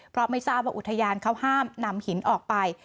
เพราะไม่ทราบว่าอุทยานเขาห้ามนำหินออกไป